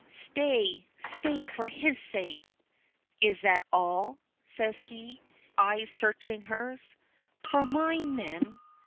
"Stay! Stay for his sake." "Is that all?" says he, his eyes searching hers. "For mine, then."